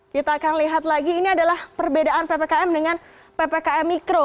kita akan lihat lagi ini adalah perbedaan ppkm dengan ppkm mikro